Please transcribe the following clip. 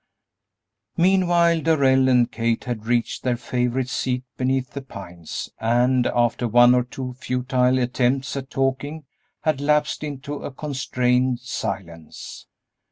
Meanwhile, Darrell and Kate had reached their favorite seat beneath the pines and, after one or two futile attempts at talking, had lapsed into a constrained silence.